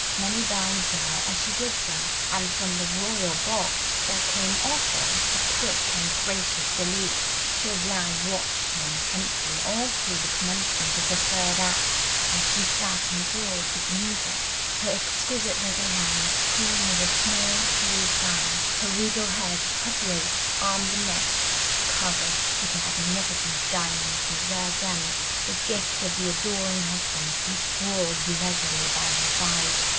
Many bowed to her as she did so, and from the royal box there came also a quick and gracious salute. Chauvelin watched her intently all through the commencement of the third act, as she sat enthralled with the music, her exquisite little hand toying with a small jewelled fan, her regal head, her throat, arms and neck covered with magnificent diamonds and rare gems, the gift of the adoring husband who sprawled leisurely by her side.